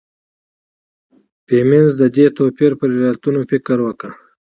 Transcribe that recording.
فيمنيزم د دې توپير پر علتونو فکر وکړ.